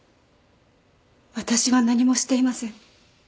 私は何もしていません。